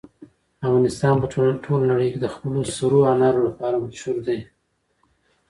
افغانستان په ټوله نړۍ کې د خپلو سرو انارو لپاره مشهور دی.